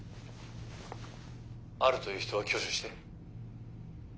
あるという人は挙手して。